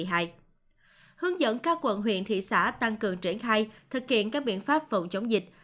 hướng dẫn các quận huyện thị xã tăng cường triển khai thực hiện các biện pháp phòng chống dịch